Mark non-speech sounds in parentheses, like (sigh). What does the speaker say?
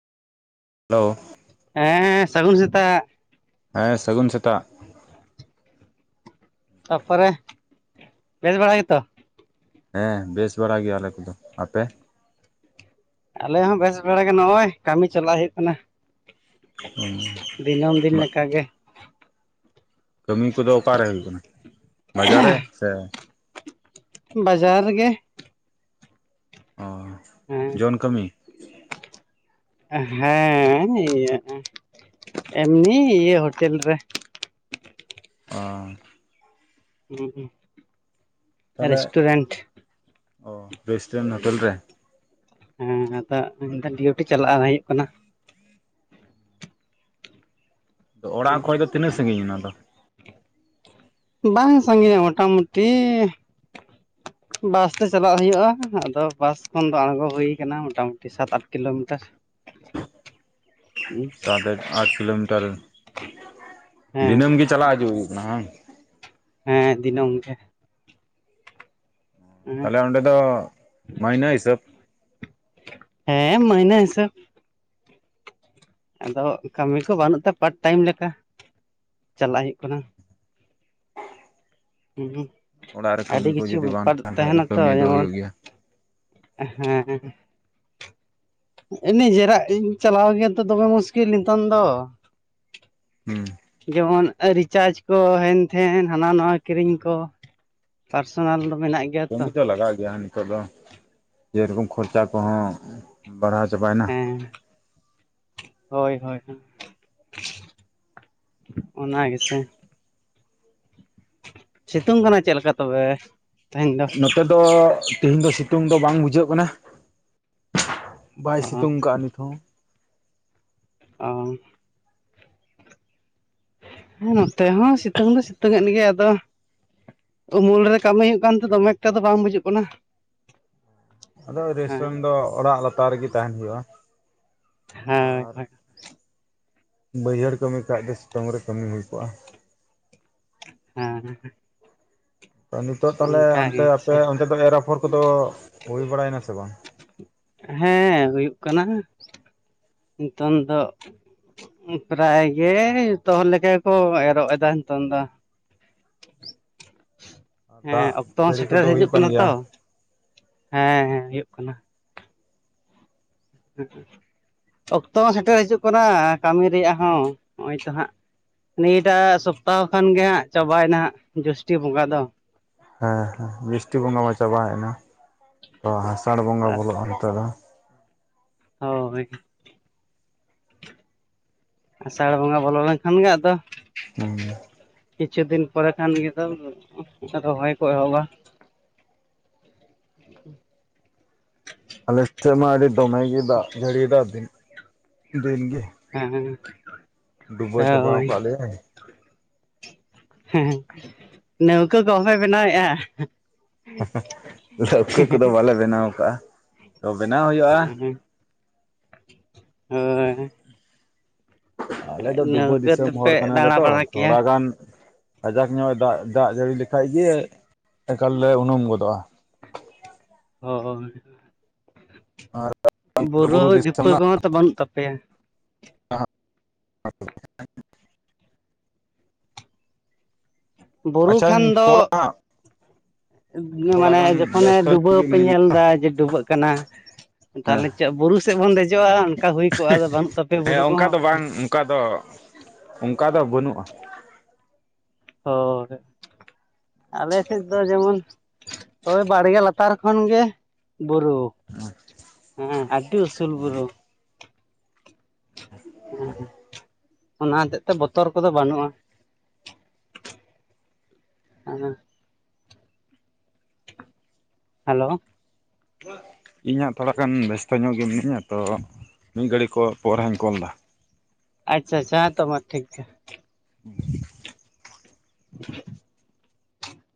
Hello. ᱦᱮᱸ ᱦᱮᱸ ᱥᱟᱹᱜᱩᱱ ᱥᱮᱛᱟᱜ ᱾ ᱦᱮᱸ ᱥᱟᱹᱜᱩᱱ ᱥᱮᱛᱟᱜ ᱾ ᱛᱟᱯᱚᱨᱮ ᱵᱮᱥ ᱵᱟᱲᱟ ᱜᱮᱛᱚ? ᱦᱮᱸ ᱵᱮᱥ ᱵᱟᱲᱟ ᱜᱮᱭᱟ ᱟᱞᱮ ᱠᱚᱫᱚ᱾ ᱟᱯᱮ? ᱟᱞᱮ ᱦᱚᱸ ᱵᱮᱥ ᱵᱮᱲᱟ ᱜᱮ ᱱᱚᱜᱼᱚᱭ ᱠᱟᱹᱢᱤ ᱪᱟᱞᱟᱜ ᱦᱩᱭᱩᱜ ᱠᱟᱱᱟ ᱾ (unintelligible) ᱫᱤᱱᱟᱹᱢ ᱫᱤᱱ ᱞᱮᱠᱟᱜᱮ ᱾ ᱠᱟᱹᱢᱤ ᱠᱚᱫᱚ ᱚᱠᱟᱨᱮ ᱦᱩᱭᱩᱜ ᱠᱟᱱᱟ ᱵᱟᱡᱟᱨ ᱨᱮ ᱥᱮ ᱵᱟᱡᱟᱨ ᱨᱮᱜᱮ ᱾ ᱚ ᱦᱮᱸ ᱡᱚᱱ ᱠᱟᱹᱢᱤ ᱦᱮᱸ ᱤᱭᱟᱹᱜᱼᱟ ᱮᱢᱱᱤ ᱤᱭᱟᱹ ᱦᱳᱴᱮᱞ ᱨᱮ ᱾ ᱚᱸ ᱩᱸ ᱦᱩᱸ ᱾ ᱛᱟᱦᱚᱞᱮ ᱚ ᱨᱮᱥᱴᱩᱨᱮᱱᱴ ᱦᱳᱴᱮᱞ ᱨᱮ? ᱦᱮᱸ ᱟᱫᱚ ᱰᱤᱣᱴᱤ ᱪᱟᱞᱟᱜᱼᱟ ᱦᱩᱭᱩᱜ ᱠᱟᱱᱟ᱾ ᱟᱫᱚ ᱚᱲᱟᱜ ᱠᱷᱚᱡ ᱫᱚ ᱛᱤᱱᱟᱹᱜ ᱥᱟᱺᱜᱤᱧ ᱚᱱᱟ ᱫᱚ? ᱵᱟᱝ ᱥᱟᱸᱜᱤᱧᱟ ᱢᱳᱚᱴᱟᱢᱩᱴᱤ ᱵᱟᱥᱛᱮ ᱪᱟᱞᱟᱜ ᱦᱩᱭᱩᱜᱼᱟ ᱟᱫᱚ ᱵᱟᱥ ᱠᱷᱚᱱ ᱫᱚ ᱟᱬᱜᱚ ᱦᱩᱭᱠᱟᱱᱟ ᱢᱚᱴᱟᱢᱩ ᱥᱟᱛ ᱟᱴ ᱠᱤᱞᱳᱢᱤᱴᱟᱨ᱾ (unintelligible) ᱩᱸ᱾ ᱟᱫᱚ ᱟᱴ ᱠᱤᱞᱳᱢᱤᱴᱟᱨ ᱦᱮᱸ ᱫᱤᱱᱟᱹᱢ ᱜᱮ ᱪᱟᱞᱟᱜ ᱦᱤᱡᱩᱜ ᱦᱩᱭᱩᱜ ᱠᱟᱱᱟ ᱦᱮᱸ ᱵᱟᱝ? ᱦᱮᱸ ᱫᱤᱱᱟᱹᱢ ᱜᱮ᱾ ᱛᱟᱦᱚᱞᱮ ᱚᱸᱰᱮ ᱫᱚ ᱢᱟᱹᱭᱱᱟᱹ ᱦᱤᱥᱟᱹᱵ? ᱦᱮᱸ ᱢᱟᱹᱭᱱᱟᱹ ᱦᱤᱥᱟᱹᱵ᱾ ᱟᱫᱚ ᱠᱟᱹᱢᱤ ᱠᱚ ᱵᱟᱹᱱᱩᱜ ᱛᱮ ᱯᱟᱴ ᱴᱟᱭᱤᱢ ᱞᱮᱠᱟ ᱪᱟᱞᱟᱜ ᱦᱩᱭᱩᱜ ᱠᱟᱱᱟ᱾ ᱦᱩᱸ ᱚᱲᱟᱜ ᱨᱮ ᱠᱟᱹᱢᱤ ᱟᱹᱰᱤ ᱠᱚ ᱠᱤᱪᱷᱩ ᱡᱩᱫᱤ ᱵᱟᱝ ᱵᱮᱯᱟᱨ ᱛᱟᱦᱮᱱ ᱠᱷᱟᱡ ᱫᱚ ᱛᱟᱦᱮᱸᱱᱟ ᱛᱚ ᱠᱟᱹᱢᱤ ᱫᱚ ᱡᱮᱢᱚᱱ ᱦᱩᱭᱩᱜ ᱜᱮᱭᱟ ᱦᱮᱸ᱾ ᱱᱤᱡᱮᱨᱟᱜ ᱤᱧ ᱪᱟᱞᱟᱣ ᱜᱮᱛᱚ ᱫᱚᱢᱮ ᱢᱩᱥᱠᱤᱞ ᱱᱤᱛᱚᱝ ᱫᱚ᱾ ᱦᱩᱸ᱾ ᱡᱮᱢᱚᱱ ᱨᱤᱪᱟᱨᱡ ᱠᱚ ᱦᱮᱱᱼᱛᱷᱦᱮᱱ ᱦᱟᱱᱟ ᱱᱚᱣᱟ ᱠᱤᱨᱤᱧ ᱠᱚ ᱯᱟᱨᱥᱚᱱᱟᱞ ᱫᱚ ᱢᱮᱱᱟᱜ ᱜᱮᱭᱟ ᱛᱚ ᱠᱟᱹᱢᱤ ᱫᱚ ᱞᱟᱜᱟᱜ ᱜᱮᱭᱟ ᱱᱤᱛᱚᱜ ᱫᱚ ᱡᱮᱨᱚᱠᱚᱢ ᱠᱷᱚᱨᱪᱟ ᱠᱚᱦᱚᱸ ᱵᱟᱲᱦᱟᱣ ᱪᱟᱵᱟᱭᱱᱟ᱾ ᱦᱮᱸ ᱦᱳᱭ ᱦᱳᱭ ᱦᱚ ᱚᱱᱟ ᱜᱮᱥᱮ᱾ ᱥᱤᱛᱩᱝ ᱠᱟᱱᱟ ᱪᱮᱫ ᱞᱮᱠᱟ ᱛᱚᱵᱮ ᱛᱮᱦᱮᱧ ᱫᱚ? ᱱᱚᱛᱮ ᱫᱚ ᱛᱤᱦᱤᱧ ᱫᱚ ᱥᱤᱛᱩᱝ ᱫᱚ ᱵᱟᱝ ᱵᱩᱡᱷᱟᱹᱜ ᱠᱟᱱᱟ᱾ ᱵᱟᱭ ᱚ ᱥᱤᱛᱩᱝ ᱠᱟᱜᱼᱟ ᱱᱤᱛᱦᱚᱸ᱾ ᱚ᱾ (unintelligible) ᱱᱚᱛᱮ ᱦᱚᱸ ᱥᱤᱛᱩᱝ ᱫᱚ ᱥᱤᱛᱩᱝ ᱮᱫ ᱜᱮᱭᱟ ᱟᱫᱚ ᱩᱢᱩᱞ ᱨᱮ ᱠᱟᱹᱢᱤ ᱦᱩᱭᱩᱜ ᱠᱟᱱ ᱛᱮ ᱫᱚᱢᱮ ᱮᱠᱴᱟ ᱫᱚ ᱵᱟᱝ ᱵᱩᱡᱩᱜ ᱠᱟᱱᱟ᱾ ᱟᱫᱚ ᱦᱮᱸ ᱨᱮᱥᱴᱩᱨᱮᱱᱴ ᱫᱚ ᱚᱲᱟᱜ ᱞᱟᱛᱟᱨ ᱨᱮᱜᱮ ᱛᱟᱦᱮᱸᱱ ᱦᱩᱭᱩᱜᱼᱟ, ᱦᱳᱭ ᱟᱨ ᱦᱳᱭ ᱵᱟᱹᱭᱦᱟᱹᱲ ᱠᱟᱹᱢᱤ ᱠᱷᱟᱡ ᱫᱚ ᱥᱤᱛᱩᱝ ᱨᱮ ᱠᱟᱹᱢᱤ ᱦᱩᱭ ᱠᱚᱜᱼᱟ᱾ ᱦᱮᱸ ᱦᱮᱸ᱾ ᱱᱤᱛᱚᱜ ᱛᱟᱞᱦᱮ ᱚᱱᱛᱮ ᱜᱮ ᱥᱮ ᱟᱯᱮ ᱚᱱᱛᱮ ᱫᱚ ᱮᱨ ᱟᱯᱷᱚᱨ ᱠᱚᱫᱚ ᱦᱩᱭ ᱵᱟᱲᱟᱭᱮᱱᱟ ᱥᱮ ᱵᱟᱝ? ᱦᱮᱸ ᱦᱩᱭᱩᱜ ᱠᱟᱱᱟ᱾ ᱱᱤᱛᱚᱝ ᱫᱚ ᱩᱸᱜ ᱯᱨᱟᱭ ᱜᱮ ᱡᱷᱚᱛᱚ ᱦᱚᱲ ᱞᱮᱠᱟ ᱜᱮᱠᱚ ᱮᱨᱚᱜ ᱮᱫᱟ ᱱᱤᱛᱚᱝ ᱫᱚ᱾ (unintelligible) ᱦᱮᱸ ᱫᱟᱜ ᱚᱠᱛᱚ ᱦᱚᱸ ᱡᱟᱹᱲᱤ ᱥᱮᱴᱮᱨ ᱠᱚᱫᱚ ᱦᱩᱭᱩᱜ ᱦᱤᱡᱩᱜ ᱠᱟᱱ ᱠᱟᱱᱟ ᱜᱮᱭᱟ ᱛᱚ ᱦᱮᱸ ᱦᱮᱸ ᱦᱩᱭᱩᱜ ᱠᱟᱱᱟ᱾ ᱚᱠᱛᱚ ᱦᱚᱸ ᱥᱮᱴᱮᱨ ᱦᱤᱡᱩᱜ ᱠᱟᱱᱟ ᱠᱟᱹᱢᱤ ᱨᱮᱭᱟᱜ ᱦᱚᱸ ᱱᱚᱜᱼᱚᱭ ᱛᱚ ᱦᱟᱸᱜ ᱱᱤᱭᱟᱹ ᱴᱟᱜ ᱥᱚᱯᱛᱟᱦᱚ ᱠᱷᱟᱱ ᱜᱮ ᱦᱟᱸᱜ ᱪᱟᱵᱟᱭᱱᱟ ᱦᱟᱸᱜ ᱡᱚᱥᱴᱤ ᱵᱚᱸᱜᱟ ᱫᱚ᱾ ᱦᱮᱸ ᱦᱮᱸ ᱡᱤᱥᱴᱤ ᱵᱚᱸᱜᱟ ᱢᱟ ᱪᱟᱵᱟᱭᱮᱱᱟ ᱛᱚ ᱟᱥᱟᱲ ᱵᱚᱸᱜᱟ ᱵᱚᱞᱚᱜᱼᱟ ᱱᱤᱛᱚᱜ ᱫᱚ᱾ ᱦᱚ ᱵᱷᱟᱹᱜᱤ ᱜᱮ᱾ ᱟᱥᱟᱲ ᱵᱚᱸᱜᱟ ᱵᱚᱞᱚ ᱞᱮᱱᱠᱷᱟᱱ ᱜᱮ ᱟᱫᱚ (unintelligible) ᱠᱤᱪᱷᱩ ᱫᱤᱱ ᱯᱚᱨᱮ ᱠᱷᱟᱱ ᱜᱮ ᱫᱚ ᱨᱚᱦᱚᱭ ᱠᱚ ᱮᱦᱚᱵᱟ᱾ ᱟᱞᱮ ᱥᱮᱫ ᱢᱟ ᱟᱹᱰᱤ ᱫᱚᱢᱮ ᱜᱮ ᱫᱟᱜ ᱡᱟᱹᱲᱤᱭ ᱫᱟ ᱫᱤᱱ, ᱫᱤᱱ ᱜᱮ᱾ ᱦᱮᱸ ᱦᱮᱸ᱾ ᱰᱩᱵᱟᱹᱣ ᱪᱟᱵᱟᱣ ᱦᱳᱭ ᱠᱟᱜ ᱞᱮᱭᱟᱭ ᱦᱩᱸ ᱱᱟᱹᱣᱠᱟᱹ ᱠᱚ ᱵᱟᱯᱮ ᱵᱮᱱᱟᱣᱮᱜᱼᱟ? ᱞᱟᱹᱣᱠᱟᱹ ᱠᱚᱫᱚ ᱵᱟᱞᱮ ᱵᱮᱱᱟᱣ ᱠᱟᱜᱼᱟ ᱛᱚ ᱵᱮᱱᱟᱣ ᱦᱩᱭᱩᱜᱼᱟ ᱦᱳᱭ ᱟᱞᱮ ᱫᱚ ᱰᱩᱵᱟᱹ ᱱᱟᱹᱣᱠᱟᱹ ᱫᱤᱥᱚᱢ ᱦᱚᱲ ᱛᱮᱯᱮ ᱠᱟᱱᱟᱞᱮ ᱫᱟᱬᱟ ᱛᱚ ᱵᱟᱲᱟ ᱠᱮᱭᱟ ᱛᱷᱚᱲᱟ ᱜᱟᱱ ᱠᱟᱡᱟᱠ ᱧᱚᱜ ᱫᱟᱜᱽ ᱫᱟᱜᱽ ᱡᱟᱹᱲᱤ ᱞᱮᱠᱟᱡ ᱜᱤ ᱮᱠᱟᱞ ᱞᱮ ᱩᱱᱩᱢ ᱜᱚᱫᱚᱜᱼᱟ ᱦᱳᱭ ᱟᱨ ᱵᱩᱨᱩ ᱫᱷᱤᱯᱟᱹ ᱠᱚᱦᱚᱸ ᱛᱚ ᱵᱟᱹᱱᱩᱜ ᱛᱟᱯᱮᱭᱟ ᱚᱸᱦᱚᱸᱜ (inaudible) ᱵᱩᱨᱩ ᱠᱷᱟᱱ ᱟᱪᱪᱷᱟᱧ ᱫᱚ ᱠᱚᱞᱟ ᱦᱟᱸᱜ ᱛᱷᱚᱲᱟ ᱢᱟᱱᱮ ᱜᱟᱱ ᱡᱚᱠᱷᱚᱱᱮ ᱵᱮᱥᱛᱚ ᱧᱚᱜ ᱰᱩᱵᱟᱹᱣ ᱜᱮ ᱯᱮ ᱢᱤᱱᱟᱹᱧᱟ ᱧᱮᱞᱫᱟ ᱡᱮ ᱰᱩᱵᱟᱹᱜ ᱠᱟᱱᱟ ᱦᱮᱸ ᱛᱟᱦᱞᱮ ᱪᱮᱜ ᱵᱩᱨᱩ ᱥᱮᱜ ᱵᱚᱱ ᱫᱮᱡᱚᱜᱼᱟ ᱚᱱᱠᱟ ᱦᱩᱭ ᱠᱚᱜᱼᱟ ᱟᱫᱚ ᱵᱟᱹᱱᱩᱜ ᱛᱟᱯᱮᱭᱟ ᱵᱩᱨᱩ ᱦᱮᱸ ᱚᱱᱠᱟ ᱠᱚᱦᱚᱸ ᱫᱚ ᱵᱟᱝ ᱚᱱᱠᱟ ᱫᱚ ᱚᱱᱠᱟ ᱫᱚ ᱵᱟᱹᱱᱩᱜᱼᱟ ᱦᱚᱭ ᱟᱞᱮ ᱥᱮᱫ ᱫᱚ ᱡᱮᱢᱚᱱ ᱳᱭ ᱵᱟᱲᱜᱮ ᱞᱟᱛᱟᱨ ᱠᱷᱚᱱ ᱜᱮ ᱵᱩᱨᱩ ᱦᱮᱸ ᱟᱹᱰᱤ ᱩᱥᱩᱞ ᱵᱩᱨᱩ ᱦᱮᱸ ᱚᱱᱟ ᱦᱚᱛᱮᱜ ᱛᱮ ᱵᱚᱛᱚᱨ ᱠᱚᱫᱚ ᱵᱟᱹᱱᱩᱜᱼᱟ ᱦᱮᱸ ᱦᱟᱞᱳ ᱤᱧ ᱦᱟᱸᱜ ᱛᱷᱚᱲᱟ ᱜᱟᱱ ᱵᱮᱥᱛᱚ ᱧᱚᱜ ᱜᱮ ᱢᱤᱱᱟᱹᱧᱟ ᱛᱚ ᱢᱤᱫ ᱜᱷᱟᱹᱲᱤᱠ ᱯᱚᱨᱮ ᱦᱟᱸᱜ ᱤᱧ ᱠᱚᱞ ᱫᱟ ᱟᱪᱪᱷᱟ ᱟᱪᱪᱷᱟ ᱦᱮᱸ ᱛᱚ ᱢᱟ ᱴᱷᱤᱠ ᱜᱮᱭᱟ (unintelligible) (unintelligible)